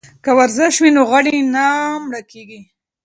که ورزش وي نو غړي نه مړه کیږي.